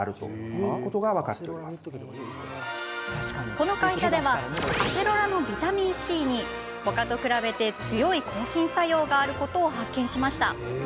この会社ではアセロラのビタミンＣに他と比べて強い抗菌作用があることを発見。